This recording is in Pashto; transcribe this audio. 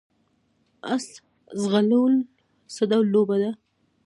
اس ځغلول څه ډول لوبه ده؟